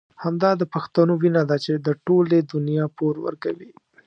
همدا د پښتنو وينه ده چې د ټولې دنيا پور ورکوي.